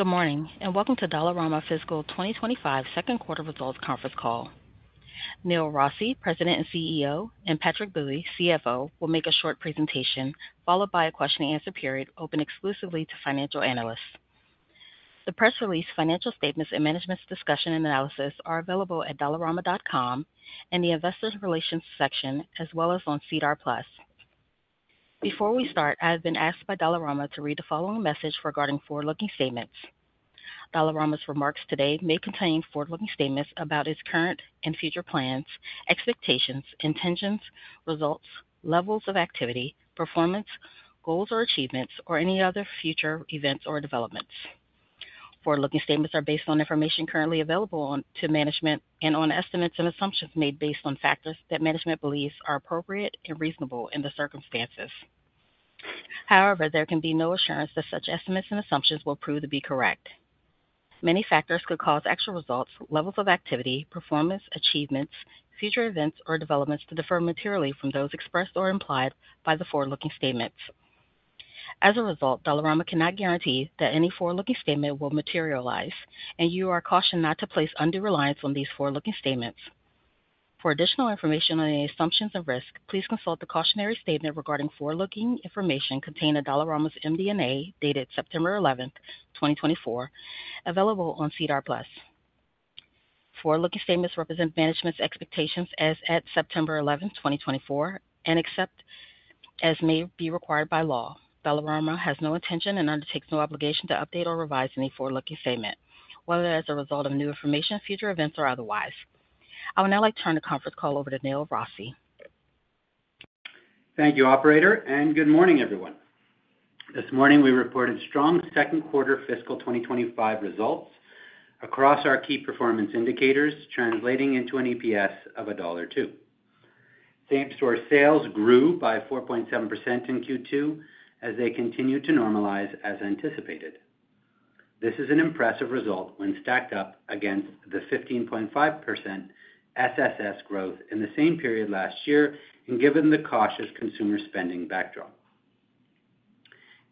Good morning, and welcome to Dollarama Fiscal 2025 Q2 Results Conference Call. Neil Rossy, President and CEO, and Patrick Bui, CFO, will make a short presentation, followed by a question-and-answer period open exclusively to financial analysts. The press release, financial statements, and management's discussion and analysis are available at dollarama.com in the Investor Relations section, as well as on SEDAR+. Before we start, I have been asked by Dollarama to read the following message regarding forward-looking statements. Dollarama's remarks today may contain forward-looking statements about its current and future plans, expectations, intentions, results, levels of activity, performance, goals or achievements, or any other future events or developments. Forward-looking statements are based on information currently available to management and on estimates and assumptions made based on factors that management believes are appropriate and reasonable in the circumstances. However, there can be no assurance that such estimates and assumptions will prove to be correct. Many factors could cause actual results, levels of activity, performance, achievements, future events, or developments to differ materially from those expressed or implied by the forward-looking statements. As a result, Dollarama cannot guarantee that any forward-looking statement will materialize, and you are cautioned not to place undue reliance on these forward-looking statements. For additional information on any assumptions and risks, please consult the cautionary statement regarding forward-looking information contained in Dollarama's MD&A, dated September eleventh, 2024, available on SEDAR+. Forward-looking statements represent management's expectations as at September 11th, 2024, and except as may be required by law, Dollarama has no intention and undertakes no obligation to update or revise any forward-looking statement, whether as a result of new information, future events, or otherwise. I would now like to turn the conference call over to Neil Rossy. Thank you, operator, and good morning, everyone. This morning, we reported strong Q2 fiscal 2025 results across our key performance indicators, translating into an EPS of CAD 1.2. Same-store sales grew by 4.7% in Q2 as they continued to normalize as anticipated. This is an impressive result when stacked up against the 15.5% SSS growth in the same period last year and given the cautious consumer spending backdrop.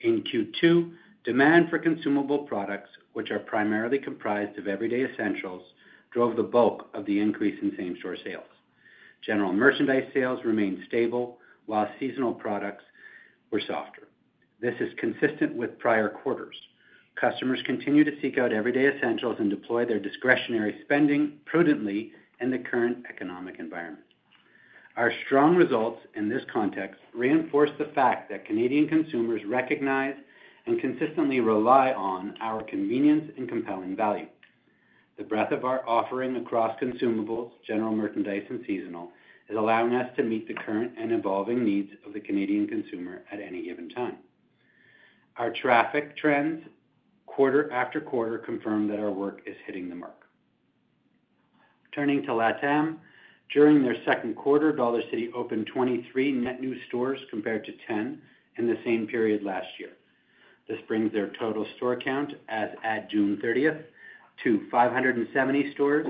In Q2, demand for consumable products, which are primarily comprised of everyday essentials, drove the bulk of the increase in same-store sales. General merchandise sales remained stable, while seasonal products were softer. This is consistent with prior quarters. Customers continue to seek out everyday essentials and deploy their discretionary spending prudently in the current economic environment. Our strong results in this context reinforce the fact that Canadian consumers recognize and consistently rely on our convenience and compelling value. The breadth of our offering across consumables, general merchandise, and seasonal is allowing us to meet the current and evolving needs of the Canadian consumer at any given time. Our traffic trends, quarter after quarter, confirm that our work is hitting the mark. Turning to LATAM. During their Q2, Dollarcity opened 23 net new stores, compared to 10 in the same period last year. This brings their total store count as at June thirtieth to 570 stores,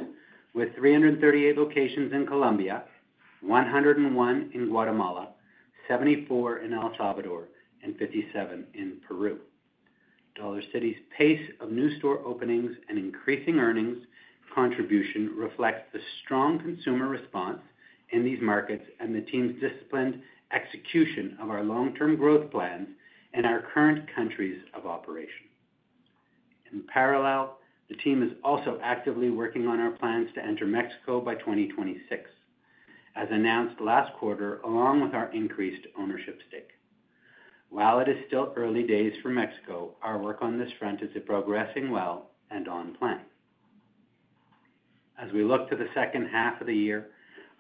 with 338 locations in Colombia, 101 in Guatemala, 74 in El Salvador, and 57 in Peru. Dollarcity's pace of new store openings and increasing earnings contribution reflects the strong consumer response in these markets and the team's disciplined execution of our long-term growth plans in our current countries of operation. In parallel, the team is also actively working on our plans to enter Mexico by 2026, as announced last quarter, along with our increased ownership stake. While it is still early days for Mexico, our work on this front is progressing well and on plan. As we look to the H2 of the year,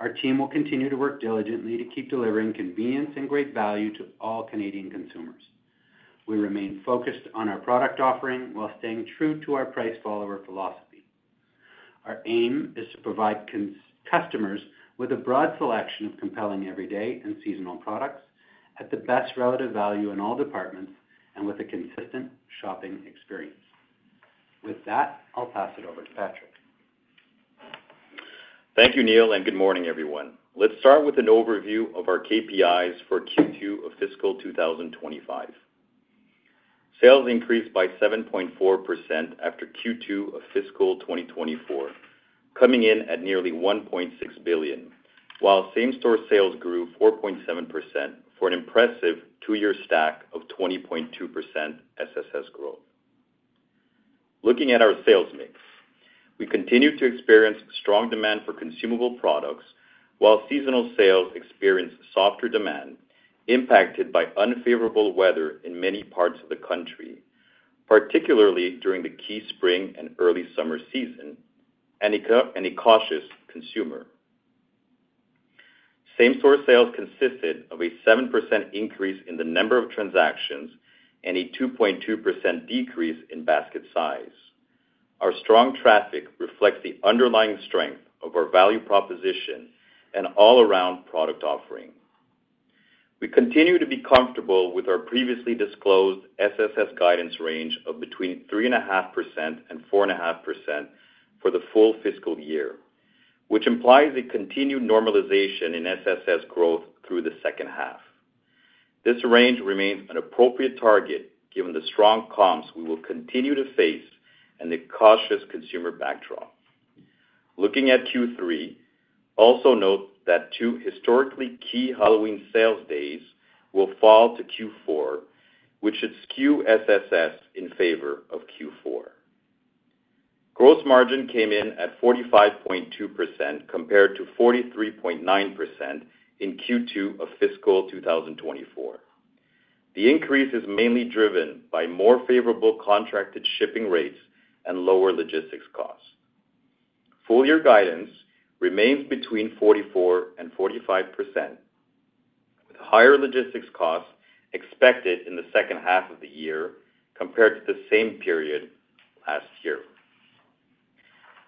our team will continue to work diligently to keep delivering convenience and great value to all Canadian consumers. We remain focused on our product offering while staying true to our price follower philosophy. Our aim is to provide customers with a broad selection of compelling everyday and seasonal products at the best relative value in all departments and with a consistent shopping experience. With that, I'll pass it over to Patrick. Thank you, Neil, and good morning, everyone. Let's start with an overview of our KPIs for Q2 of fiscal 2025. Sales increased by 7.4% after Q2 of fiscal 2024, coming in at nearly 1.6 billion, while same-store sales grew 4.7% for an impressive two-year stack of 20.2% SSS growth. Looking at our sales mix, we continued to experience strong demand for consumable products, while seasonal sales experienced softer demand, impacted by unfavorable weather in many parts of the country, particularly during the key spring and early summer season, and a cautious consumer. Same-store sales consisted of a 7% increase in the number of transactions and a 2.2% decrease in basket size. Our strong traffic reflects the underlying strength of our value proposition and all around product offering. We continue to be comfortable with our previously disclosed SSS guidance range of between 3.5% and 4.5% for the full fiscal year, which implies a continued normalization in SSS growth through the H2. This range remains an appropriate target, given the strong comps we will continue to face and the cautious consumer backdrop. Looking at Q3, also note that two historically key Halloween sales days will fall to Q4, which should skew SSS in favor of Q4. Gross margin came in at 45.2%, compared to 43.9% in Q2 of fiscal 2024. The increase is mainly driven by more favorable contracted shipping rates and lower logistics costs. Full year guidance remains between 44% and 45%, with higher logistics costs expected in the H2 of the year compared to the same period last year.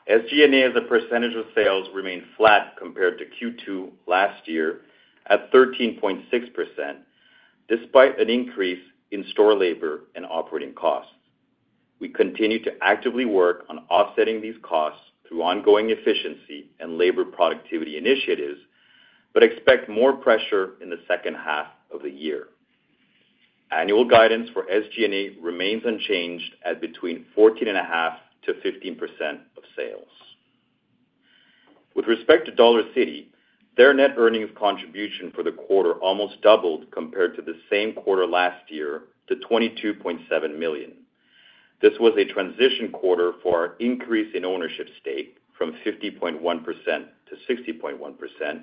SG&A, as a percentage of sales, remained flat compared to Q2 last year at 13.6%, despite an increase in store labor and operating costs. We continue to actively work on offsetting these costs through ongoing efficiency and labor productivity initiatives, but expect more pressure in the H2 of the year. Annual guidance for SG&A remains unchanged at between 14.5% to 15% of sales. With respect to Dollarcity, their net earnings contribution for the quarter almost doubled compared to the same quarter last year to 22.7 million. This was a transition quarter for our increase in ownership stake from 50.1% to 60.1%,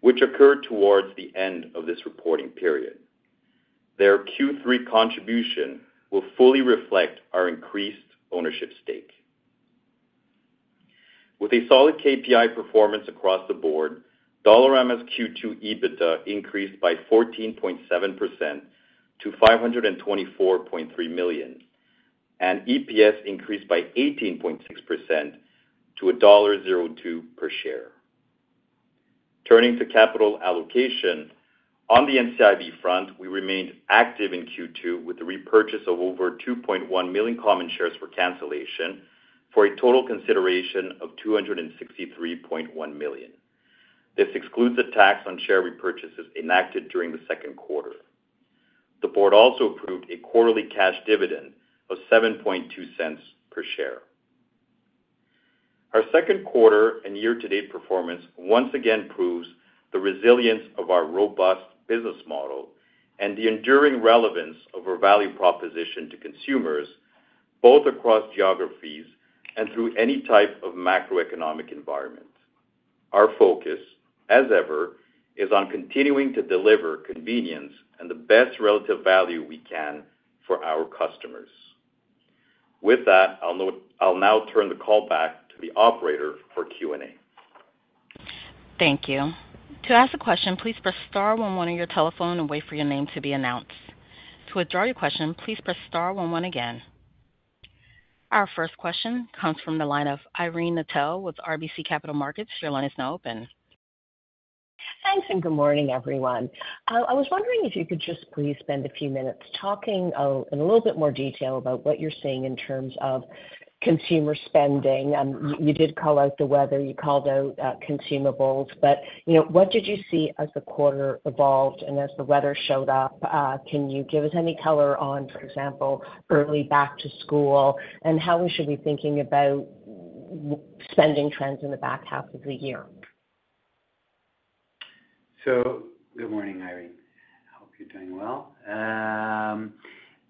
which occurred towards the end of this reporting period. Their Q3 contribution will fully reflect our increased ownership stake. With a solid KPI performance across the board, Dollarama's Q2 EBITDA increased by 14.7% to CAD 524.3 million, and EPS increased by 18.6% to dollar 1.02 per share. Turning to capital allocation, on the NCIB front, we remained active in Q2 with the repurchase of over 2.1 million common shares for cancellation for a total consideration of 263.1 million. This excludes the tax on share repurchases enacted during the Q2. The board also approved a quarterly cash dividend of 0.072 per share. Our Q2 and year-to-date performance once again proves the resilience of our robust business model and the enduring relevance of our value proposition to consumers, both across geographies and through any type of macroeconomic environment. Our focus, as ever, is on continuing to deliver convenience and the best relative value we can for our customers. With that, I'll now turn the call back to the operator for Q&A. Thank you. To ask a question, please press star one one on your telephone and wait for your name to be announced. To withdraw your question, please press star one one again. Our first question comes from the line of Irene Nattel with RBC Capital Markets. Your line is now open. Thanks, and good morning, everyone. I was wondering if you could just please spend a few minutes talking in a little bit more detail about what you're seeing in terms of consumer spending. You did call out the weather, you called out consumables, but you know, what did you see as the quarter evolved and as the weather showed up? Can you give us any color on, for example, early back to school, and how we should be thinking about spending trends in the back half of the year? So, good morning, Irene. I hope you're doing well.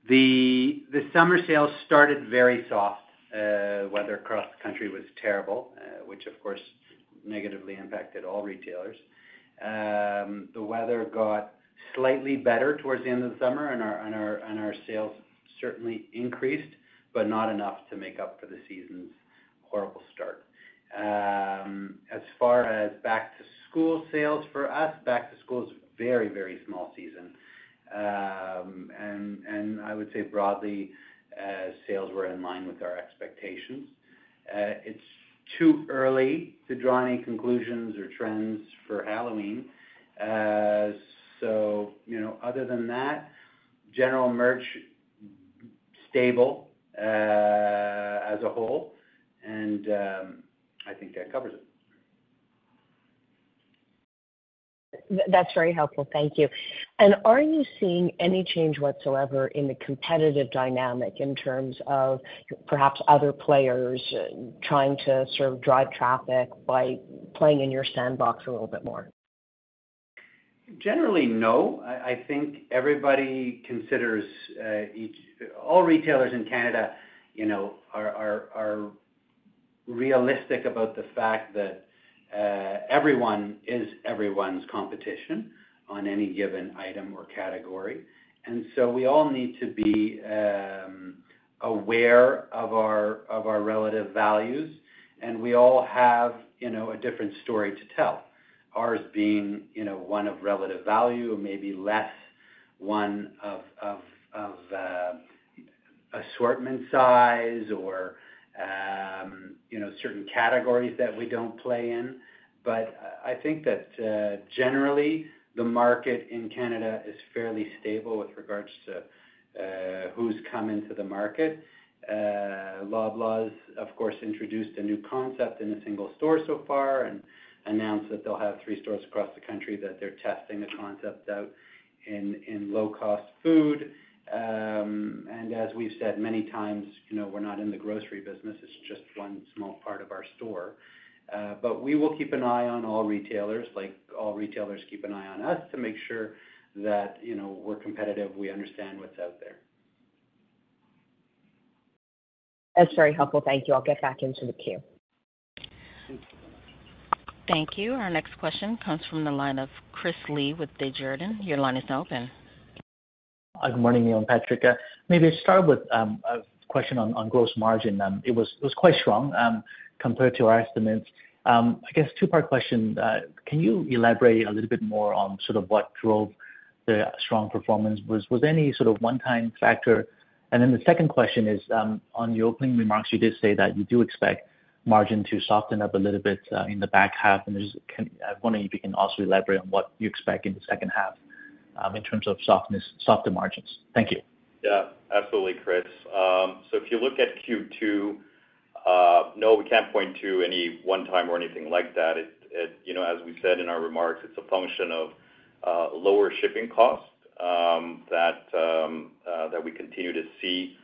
The summer sales started very soft. Weather across the country was terrible, which of course negatively impacted all retailers. The weather got slightly better towards the end of the summer, and our sales certainly increased, but not enough to make up for the season's horrible start. As far as back-to-school sales, for us, back to school is a very, very small season. And I would say broadly, sales were in line with our expectations. It's too early to draw any conclusions or trends for Halloween. So, you know, other than that, general merch stable as a whole, and I think that covers it. That's very helpful. Thank you. And are you seeing any change whatsoever in the competitive dynamic in terms of perhaps other players trying to sort of drive traffic by playing in your sandbox a little bit more? Generally, no. I think everybody considers each. All retailers in Canada, you know, are realistic about the fact that everyone is everyone's competition on any given item or category. And so we all need to be aware of our relative values, and we all have, you know, a different story to tell. Ours being, you know, one of relative value, and maybe less one of assortment, size, or you know, certain categories that we don't play in. But, I think that, generally, the market in Canada is fairly stable with regards to, who's come into the market. Loblaws, of course, introduced a new concept in a single store so far and announced that they'll have three stores across the country, that they're testing the concept out in low-cost food. And as we've said many times, you know, we're not in the grocery business, it's just one small part of our store. But we will keep an eye on all retailers, like all retailers keep an eye on us, to make sure that, you know, we're competitive, we understand what's out there. That's very helpful. Thank you. I'll get back into the queue. Thank you. Our next question comes from the line of Chris Li with Desjardins. Your line is open. Good morning, Neil and Patrick. Maybe I'll start with a question on gross margin. It was quite strong compared to our estimates. I guess two-part question. Can you elaborate a little bit more on sort of what drove the strong performance? Was there any sort of one-time factor? And then the second question is, on your opening remarks, you did say that you do expect margin to soften up a little bit in the back half, and just wondering if you can also elaborate on what you expect in the H2 in terms of softer margins. Thank you. Yeah, absolutely, Chris. So if you look at Q2, no, we can't point to any one time or anything like that. It, it, you know, as we said in our remarks, it's a function of, lower shipping costs, that, that we continue to see,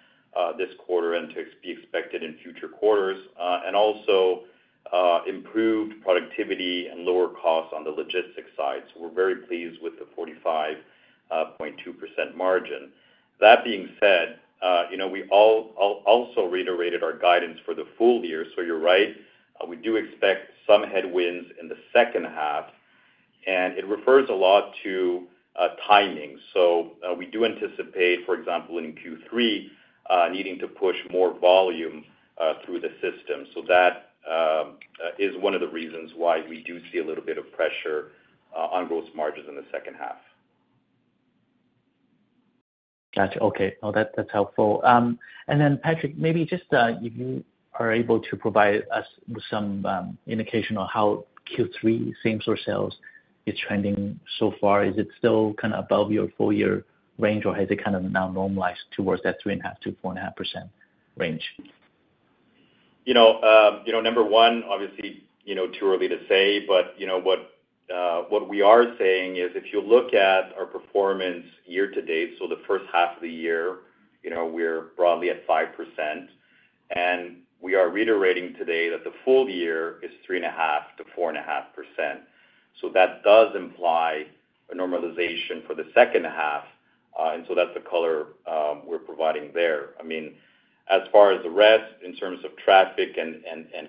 this quarter and to be expected in future quarters, and also, improved productivity and lower costs on the logistics side. So we're very pleased with the 45.2% margin. That being said, you know, we also reiterated our guidance for the full year, so you're right. We do expect some headwinds in the H2, and it refers a lot to, timing. So, we do anticipate, for example, in Q3, needing to push more volume, through the system. So that is one of the reasons why we do see a little bit of pressure on gross margins in the H2. Gotcha. Okay. Well, that, that's helpful, and then, Patrick, maybe just if you are able to provide us with some indication on how Q3 same-store sales is trending so far. Is it still kind of above your full year range, or has it kind of now normalized towards that 3.5%-4.5% range? You know, you know, number one, obviously, you know, too early to say, but, you know what, what we are saying is, if you look at our performance year to date, so the first half of the year, you know, we're broadly at 5%, and we are reiterating today that the full year is 3.5%-4.5%. So that does imply a normalization for the H2, and so that's the color we're providing there. I mean, as far as the rest, in terms of traffic and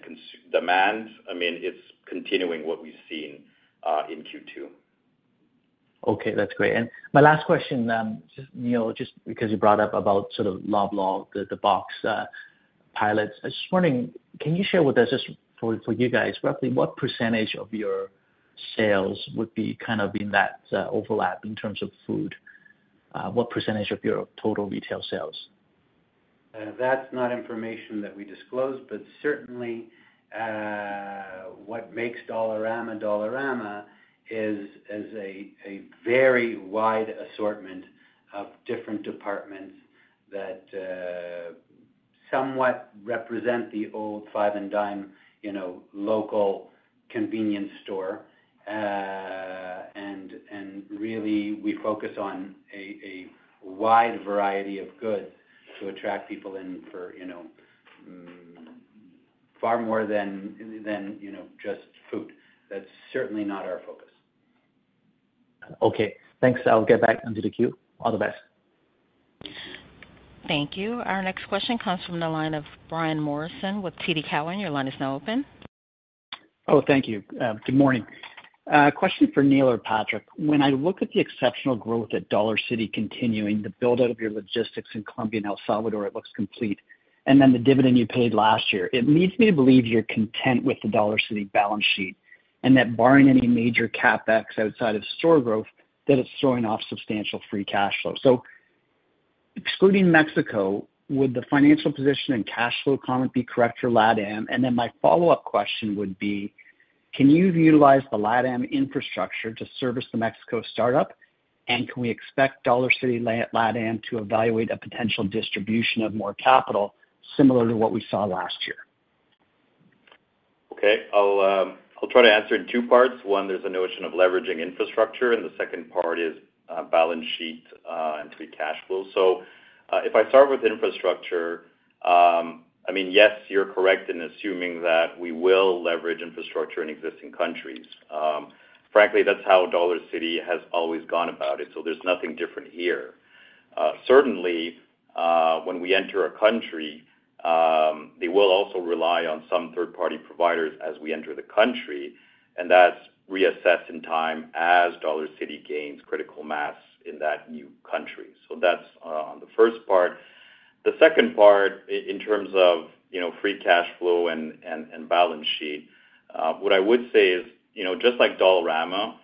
consumer demand, I mean, it's continuing what we've seen in Q2. Okay, that's great. And my last question, just Neil, just because you brought up about sort of Loblaws, the box pilots. I was just wondering, can you share with us, just for you guys, roughly what percentage of your sales would be kind of in that overlap in terms of food? What percentage of your total retail sales? That's not information that we disclose, but certainly what makes Dollarama, Dollarama is a very wide assortment of different departments that somewhat represent the old five and dime, you know, local convenience store, and really, we focus on a wide variety of goods to attract people in for, you know, far more than just food. That's certainly not our focus. Okay. Thanks. I'll get back into the queue. All the best. Thank you. Our next question comes from the line of Brian Morrison with TD Cowen. Your line is now open. Oh, thank you. Good morning. Question for Neil or Patrick. When I look at the exceptional growth at Dollarcity continuing, the build-out of your logistics in Colombia and El Salvador, it looks complete, and then the dividend you paid last year, it leads me to believe you're content with the Dollarcity balance sheet, and that barring any major CapEx outside of store growth, that it's throwing off substantial free cash flow. Excluding Mexico, would the financial position and cash flow comment be correct for LATAM? And then my follow-up question would be: Can you utilize the LATAM infrastructure to service the Mexico startup? And can we expect Dollarcity LATAM to evaluate a potential distribution of more capital similar to what we saw last year? Okay. I'll, I'll try to answer in two parts. One, there's a notion of leveraging infrastructure, and the second part is, balance sheet, and free cash flow. So, if I start with infrastructure, I mean, yes, you're correct in assuming that we will leverage infrastructure in existing countries. Frankly, that's how Dollarcity has always gone about it, so there's nothing different here. Certainly, when we enter a country, they will also rely on some third-party providers as we enter the country, and that's reassessed in time as Dollarcity gains critical mass in that new country. So that's on the first part. The second part, in terms of, you know, free cash flow and balance sheet, what I would say is, you know, just like Dollarama-...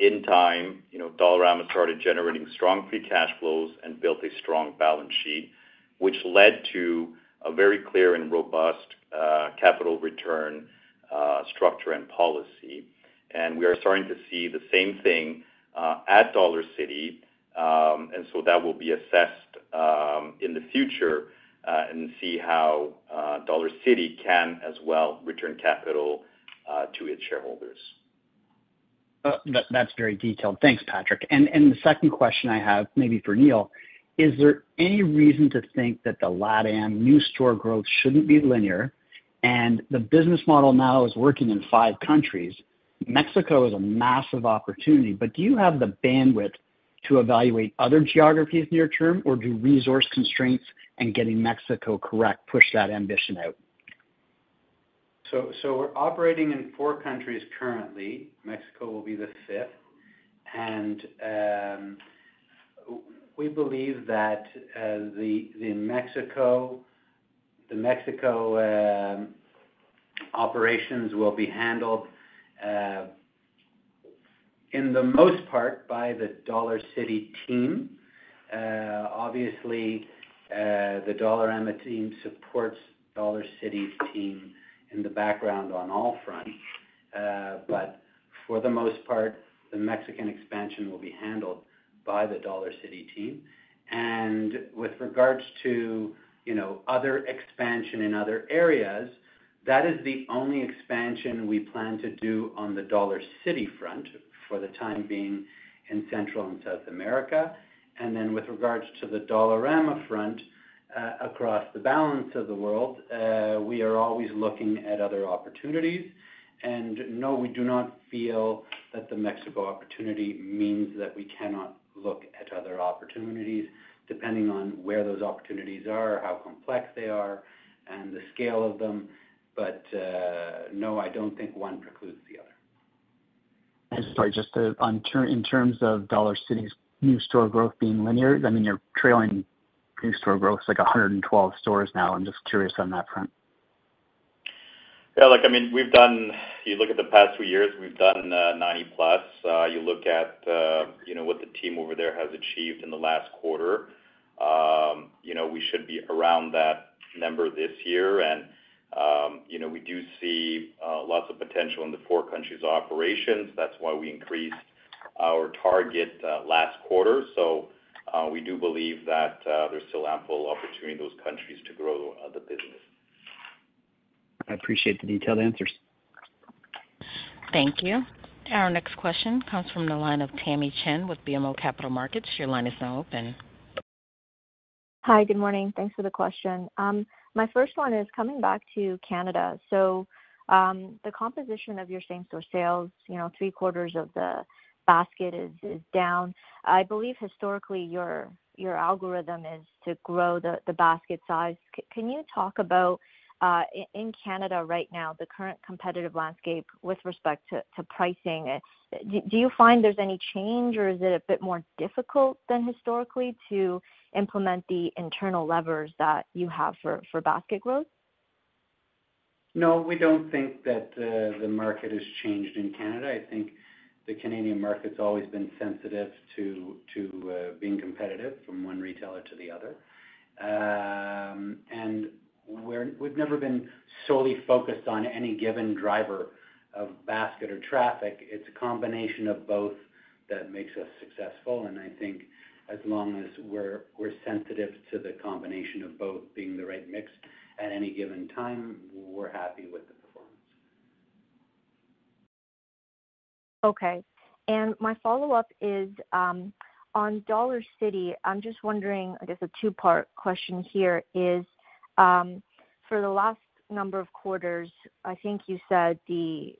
In time, you know, Dollarama started generating strong free cash flows and built a strong balance sheet, which led to a very clear and robust capital return structure and policy. And we are starting to see the same thing at Dollarcity, and so that will be assessed in the future, and see how Dollarcity can as well return capital to its shareholders. That, that's very detailed. Thanks, Patrick. And the second question I have, maybe for Neil, is there any reason to think that the LatAm new store growth shouldn't be linear? And the business model now is working in five countries. Mexico is a massive opportunity, but do you have the bandwidth to evaluate other geographies near term, or do resource constraints and getting Mexico correct push that ambition out? We're operating in four countries currently. Mexico will be the fifth. And we believe that the Mexico operations will be handled in the most part by the Dollarcity team. Obviously, the Dollarama team supports Dollarcity's team in the background on all fronts. But for the most part, the Mexican expansion will be handled by the Dollarcity team. And with regards to, you know, other expansion in other areas, that is the only expansion we plan to do on the Dollarcity front for the time being in Central and South America. And then with regards to the Dollarama front, across the balance of the world, we are always looking at other opportunities. No, we do not feel that the Mexico opportunity means that we cannot look at other opportunities, depending on where those opportunities are, how complex they are, and the scale of them. No, I don't think one precludes the other. Sorry, in terms of Dollarcity's new store growth being linear, I mean, you're trailing new store growth, like 112 stores now. I'm just curious on that front. Yeah, look, I mean, we've done. You look at the past two years, we've done 90+. You look at you know what the team over there has achieved in the last quarter, you know we should be around that number this year, and you know we do see lots of potential in the four countries' operations. That's why we increased our target last quarter, so we do believe that there's still ample opportunity in those countries to grow the business. I appreciate the detailed answers. Thank you. Our next question comes from the line of Tamy Chen with BMO Capital Markets. Your line is now open. Hi, good morning. Thanks for the question. My first one is coming back to Canada. So, the composition of your same-store sales, you know, three quarters of the basket is down. I believe historically, your algorithm is to grow the basket size. Can you talk about, in Canada right now, the current competitive landscape with respect to pricing? Do you find there's any change, or is it a bit more difficult than historically to implement the internal levers that you have for basket growth? No, we don't think that the market has changed in Canada. I think the Canadian market's always been sensitive to being competitive from one retailer to the other. And we've never been solely focused on any given driver of basket or traffic. It's a combination of both that makes us successful, and I think as long as we're sensitive to the combination of both being the right mix at any given time, we're happy with the performance. Okay. And my follow-up is on Dollarcity. I'm just wondering, I guess a two-part question here, is for the last number of quarters, I think you said the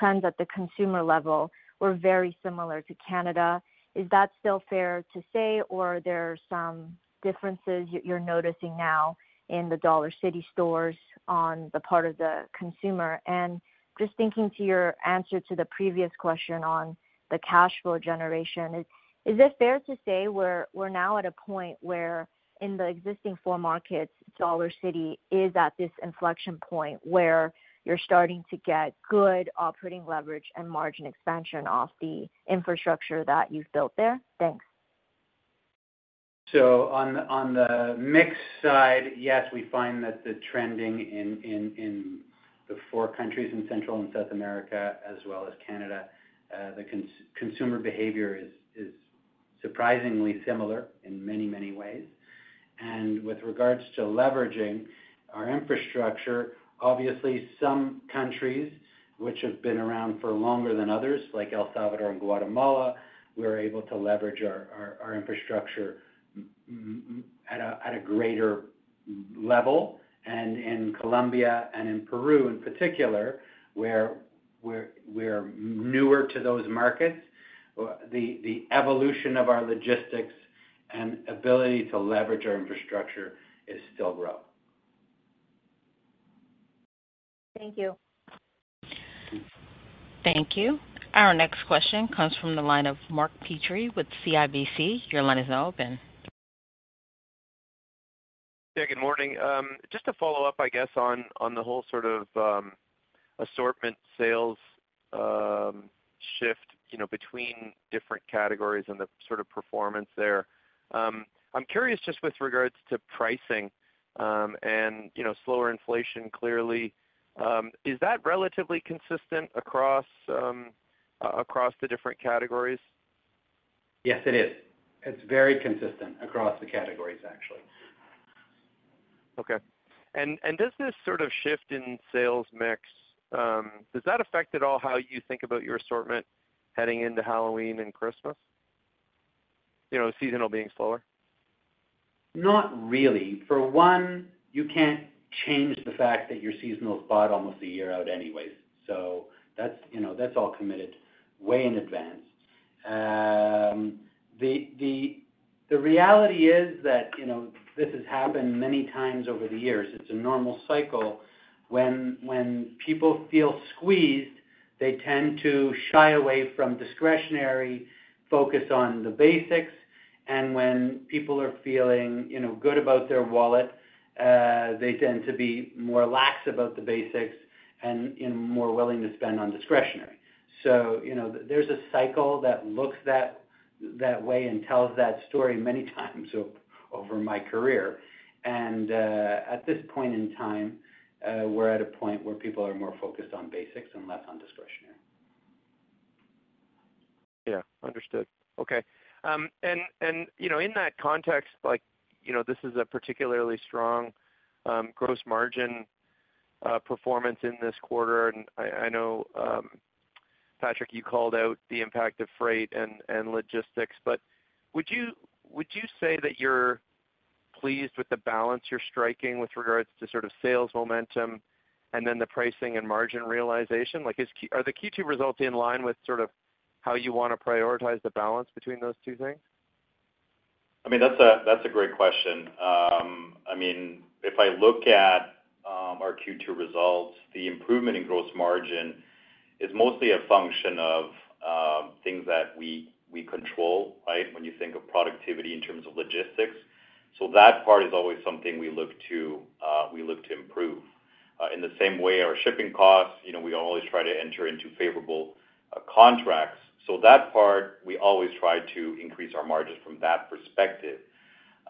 trends at the consumer level were very similar to Canada. Is that still fair to say, or are there some differences you're noticing now in the Dollarcity stores on the part of the consumer? And just thinking to your answer to the previous question on the cash flow generation, is it fair to say we're now at a point where in the existing four markets, Dollarcity is at this inflection point, where you're starting to get good operating leverage and margin expansion off the infrastructure that you've built there? Thanks. On the mix side, yes, we find that the trending in the four countries in Central and South America, as well as Canada, the consumer behavior is surprisingly similar in many, many ways. With regards to leveraging our infrastructure, obviously, some countries which have been around for longer than others, like El Salvador and Guatemala, we're able to leverage our infrastructure more at a greater level. In Colombia and in Peru, in particular, where we're newer to those markets, the evolution of our logistics and ability to leverage our infrastructure is still growing. Thank you. Thank you. Our next question comes from the line of Mark Petrie with CIBC. Your line is now open.... Yeah, good morning. Just to follow up, I guess, on the whole sort of assortment sales shift, you know, between different categories and the sort of performance there. I'm curious just with regards to pricing, and, you know, slower inflation, clearly, is that relatively consistent across across the different categories? Yes, it is. It's very consistent across the categories, actually. Okay. And does this sort of shift in sales mix, does that affect at all how you think about your assortment heading into Halloween and Christmas? You know, seasonal being slower. Not really. For one, you can't change the fact that your seasonal is bought almost a year out anyways. So that's, you know, that's all committed way in advance. The reality is that, you know, this has happened many times over the years. It's a normal cycle. When people feel squeezed, they tend to shy away from discretionary, focus on the basics, and when people are feeling, you know, good about their wallet, they tend to be more lax about the basics and more willing to spend on discretionary. So, you know, there's a cycle that looks that way and tells that story many times over my career, and at this point in time, we're at a point where people are more focused on basics and less on discretionary. Yeah, understood. Okay. And you know, in that context, like, you know, this is a particularly strong gross margin performance in this quarter. And I know, Patrick, you called out the impact of freight and logistics, but would you say that you're pleased with the balance you're striking with regards to sort of sales momentum and then the pricing and margin realization? Are the Q2 results in line with sort of how you wanna prioritize the balance between those two things? I mean, that's a great question. I mean, if I look at our Q2 results, the improvement in gross margin is mostly a function of things that we control, right? When you think of productivity in terms of logistics. So that part is always something we look to improve. In the same way, our shipping costs, you know, we always try to enter into favorable contracts. So that part, we always try to increase our margins from that perspective,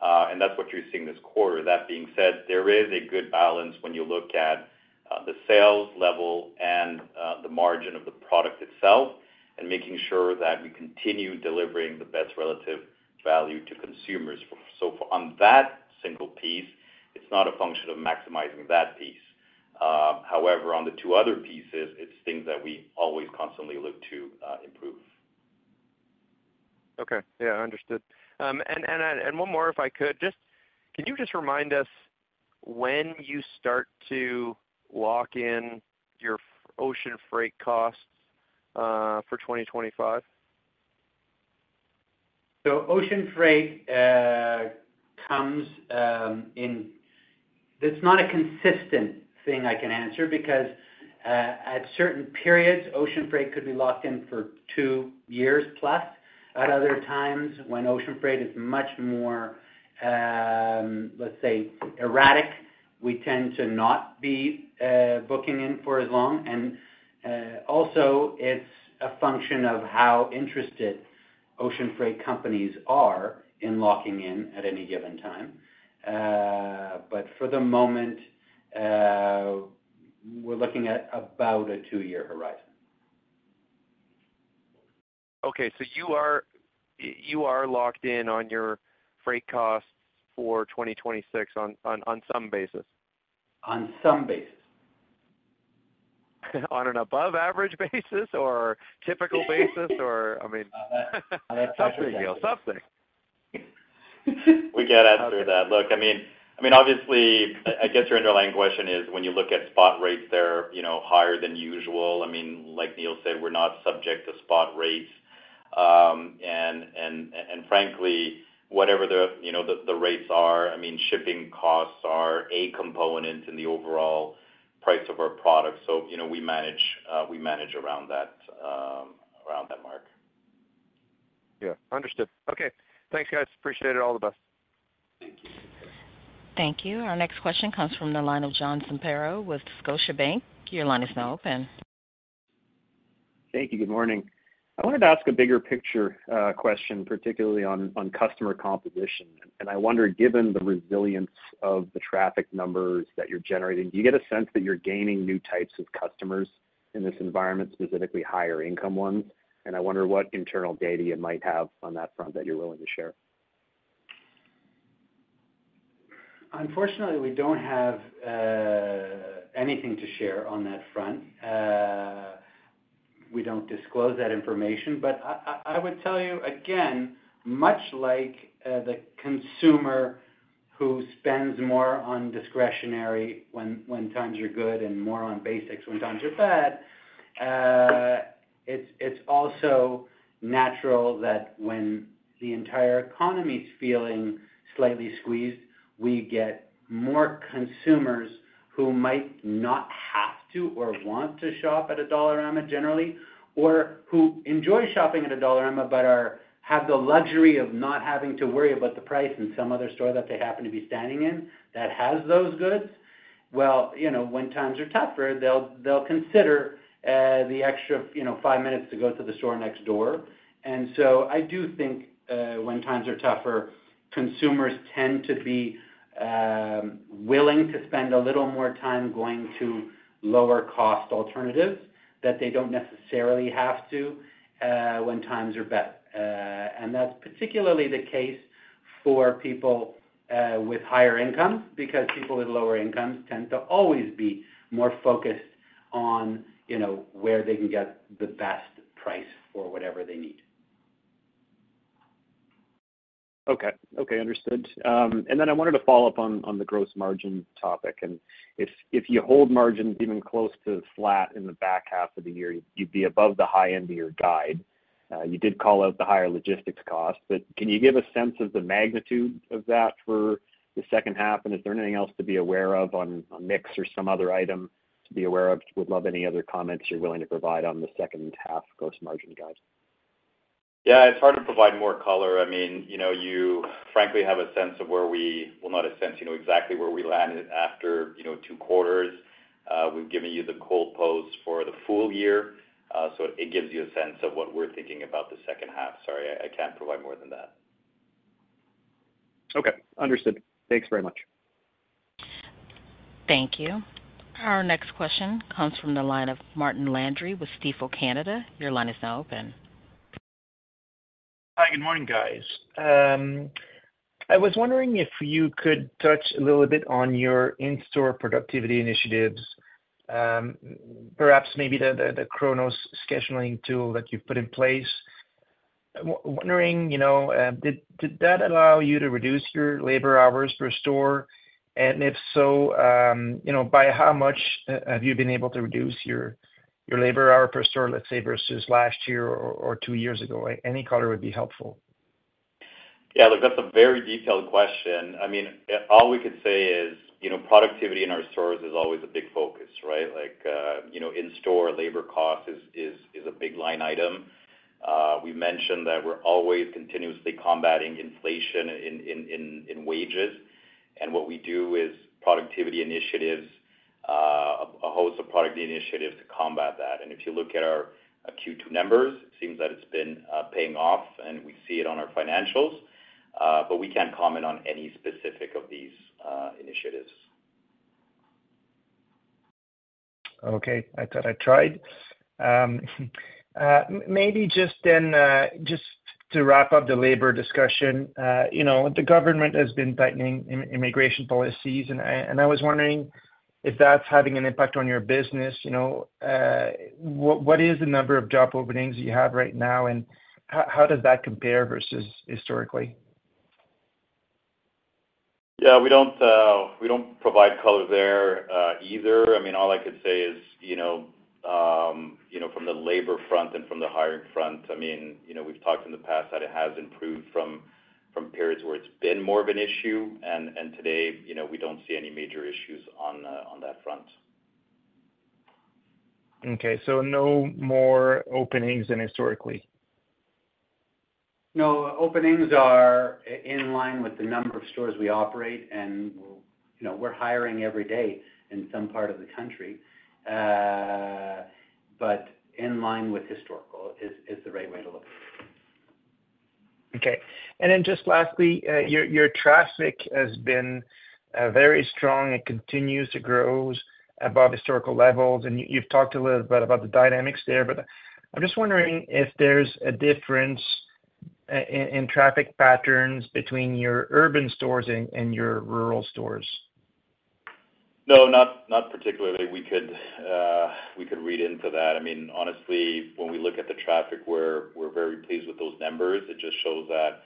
and that's what you're seeing this quarter. That being said, there is a good balance when you look at the sales level and the margin of the product itself, and making sure that we continue delivering the best relative value to consumers. So on that single piece, it's not a function of maximizing that piece. However, on the two other pieces, it's things that we always constantly look to improve. Okay. Yeah, understood. And one more, if I could. Just... Can you just remind us when you start to lock in your ocean freight costs for 2025? Ocean freight. It's not a consistent thing I can answer, because at certain periods, ocean freight could be locked in for two years plus. At other times, when ocean freight is much more, let's say, erratic, we tend to not be booking in for as long. Also, it's a function of how interested ocean freight companies are in locking in at any given time, but for the moment, we're looking at about a two-year horizon. Okay, so you are locked in on your freight costs for 2026 on some basis? On some basis. On an above average basis or typical basis, or, I mean, something, Neil, something? We can't answer that. Look, I mean, obviously, I guess your underlying question is when you look at spot rates, they're, you know, higher than usual. I mean, like Neil said, we're not subject to spot rates. And frankly, whatever the, you know, the rates are, I mean, shipping costs are a component in the overall price of our product. So, you know, we manage, we manage around that, around that mark. Yeah, understood. Okay, thanks, guys, appreciate it. All the best. Thank you. Thank you. Our next question comes from the line of John Zamparo with Scotiabank. Your line is now open. Thank you, good morning. I wanted to ask a bigger picture question, particularly on customer composition, and I wonder, given the resilience of the traffic numbers that you're generating, do you get a sense that you're gaining new types of customers in this environment, specifically higher income ones, and I wonder what internal data you might have on that front that you're willing to share. Unfortunately, we don't have anything to share on that front. We don't disclose that information, but I would tell you again, much like the consumer who spends more on discretionary when times are good and more on basics when times are bad, it's also natural that when the entire economy is feeling slightly squeezed, we get more consumers who might not have to or want to shop at a Dollarama generally, or who enjoy shopping at a Dollarama but have the luxury of not having to worry about the price in some other store that they happen to be standing in that has those goods. Well, you know, when times are tougher, they'll consider the extra, you know, five minutes to go to the store next door. And so I do think, when times are tougher, consumers tend to be willing to spend a little more time going to lower cost alternatives that they don't necessarily have to, when times are better. And that's particularly the case for people with higher income, because people with lower incomes tend to always be more focused on, you know, where they can get the best price for whatever they need. Okay. Okay, understood, and then I wanted to follow up on the gross margin topic, and if you hold margins even close to flat in the back half of the year, you'd be above the high end of your guide. You did call out the higher logistics cost, but can you give a sense of the magnitude of that for the H2? And is there anything else to be aware of on mix or some other item to be aware of? Would love any other comments you're willing to provide on the H2 gross margin guide. Yeah, it's hard to provide more color. I mean, you know, you frankly have a sense of where we, well, not a sense, you know exactly where we landed after, you know, two quarters. We've given you the goalpost for the full year. So it gives you a sense of what we're thinking about the H2. Sorry, I can't provide more than that. Okay, understood. Thanks very much. Thank you. Our next question comes from the line of Martin Landry with Stifel Canada. Your line is now open. Hi, good morning, guys. I was wondering if you could touch a little bit on your in-store productivity initiatives, perhaps maybe the Kronos scheduling tool that you've put in place. Wondering, you know, did that allow you to reduce your labor hours per store? And if so, you know, by how much have you been able to reduce your labor hour per store, let's say, versus last year or two years ago? Any color would be helpful. Yeah, look, that's a very detailed question. I mean, all we could say is, you know, productivity in our stores is always a big focus, right? Like, you know, in-store labor cost is a big line item. We mentioned that we're always continuously combating inflation in wages. And what we do is productivity initiatives, a host of productivity initiatives to combat that. And if you look at our Q2 numbers, it seems that it's been paying off, and we see it on our financials, but we can't comment on any specific of these initiatives. Okay. I thought I tried. Maybe just then, just to wrap up the labor discussion, you know, the government has been tightening immigration policies, and I was wondering if that's having an impact on your business, you know, what is the number of job openings you have right now, and how does that compare versus historically? Yeah, we don't, we don't provide color there, either. I mean, all I could say is, you know, you know, from the labor front and from the hiring front, I mean, you know, we've talked in the past that it has improved from periods where it's been more of an issue. And today, you know, we don't see any major issues on that front. Okay, so no more openings than historically? No, openings are in line with the number of stores we operate, and, you know, we're hiring every day in some part of the country. But in line with historical is the right way to look at it. Okay. And then just lastly, your traffic has been very strong. It continues to grow above historical levels, and you've talked a little bit about the dynamics there, but I'm just wondering if there's a difference in traffic patterns between your urban stores and your rural stores? No, not particularly. We could read into that. I mean, honestly, when we look at the traffic, we're very pleased with those numbers. It just shows that,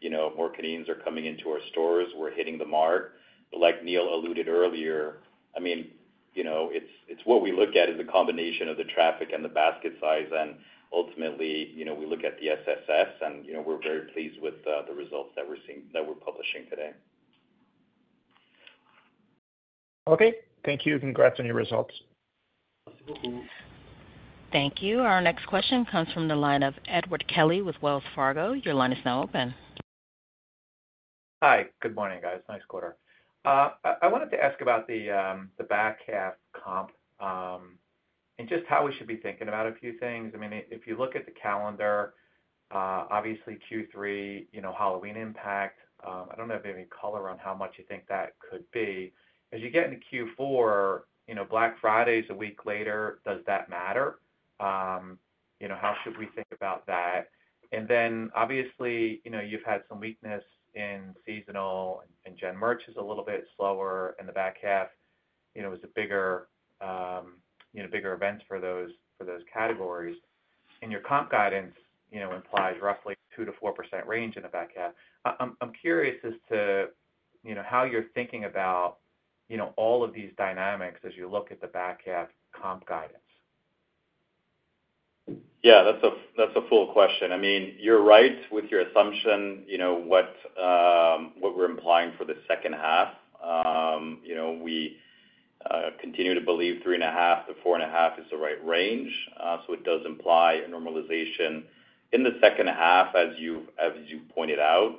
you know, more Canadians are coming into our stores. We're hitting the mark. But like Neil alluded earlier, I mean, you know, it's what we look at is the combination of the traffic and the basket size, and ultimately, you know, we look at the SSS, and, you know, we're very pleased with the results that we're seeing that we're publishing today. Okay. Thank you. Congrats on your results. Thank you. Our next question comes from the line of Edward Kelly with Wells Fargo. Your line is now open. Hi, good morning, guys. Nice quarter. I wanted to ask about the back half comp, and just how we should be thinking about a few things. I mean, if you look at the calendar, obviously Q3, you know, Halloween impact. I don't have any color on how much you think that could be. As you get into Q4, you know, Black Friday is a week later. Does that matter? You know, how should we think about that? And then obviously, you know, you've had some weakness in seasonal, and gen merch is a little bit slower, and the back half, you know, is bigger events for those categories. And your comp guidance, you know, implies roughly 2%-4% range in the back half. I'm curious as to, you know, how you're thinking about you know, all of these dynamics as you look at the back half comp guidance? Yeah, that's a, that's a full question. I mean, you're right with your assumption, you know, what we're implying for the H2. You know, we continue to believe three and a half to four and a half is the right range. So it does imply a normalization in the H2, as you pointed out.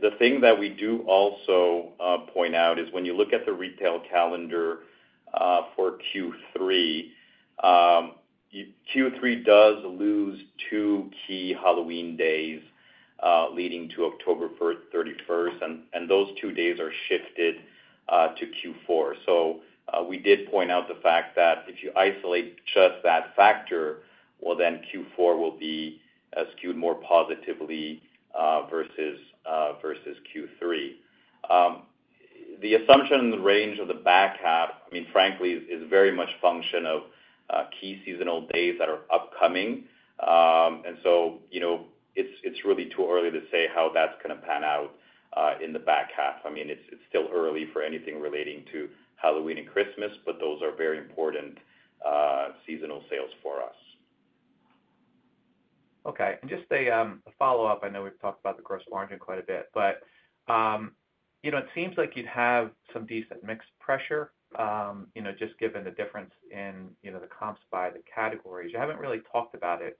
The thing that we do also point out is when you look at the retail calendar for Q3, Q3 does lose two key Halloween days leading to October thirty-first, and those two days are shifted to Q4. So we did point out the fact that if you isolate just that factor, well, then Q4 will be skewed more positively versus Q3. The assumption in the range of the back half, I mean, frankly, is very much function of key seasonal days that are upcoming, and so, you know, it's really too early to say how that's gonna pan out in the back half. I mean, it's still early for anything relating to Halloween and Christmas, but those are very important seasonal sales for us. Okay. And just a follow-up. I know we've talked about the gross margin quite a bit, but, you know, it seems like you'd have some decent mixed pressure, you know, just given the difference in, you know, the comps by the categories. You haven't really talked about it,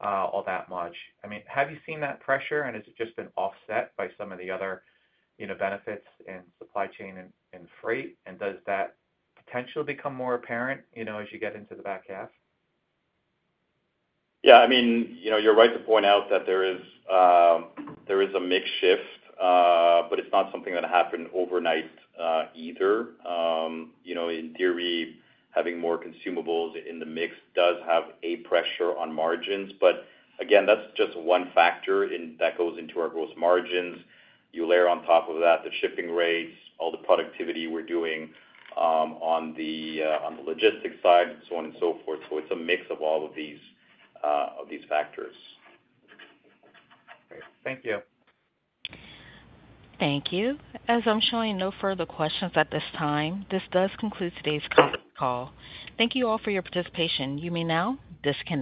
all that much. I mean, have you seen that pressure, and is it just been offset by some of the other, you know, benefits in supply chain and freight? And does that potentially become more apparent, you know, as you get into the back half? Yeah, I mean, you know, you're right to point out that there is a mix shift, but it's not something that happened overnight, either. You know, in theory, having more consumables in the mix does have a pressure on margins, but again, that's just one factor in that goes into our gross margins. You layer on top of that, the shipping rates, all the productivity we're doing, on the logistics side, and so on and so forth. So it's a mix of all of these factors. Great. Thank you. Thank you. As I'm showing no further questions at this time, this does conclude today's conference call. Thank you all for your participation. You may now disconnect.